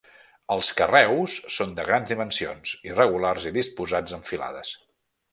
Els carreus són de grans dimensions, irregulars i disposats en filades.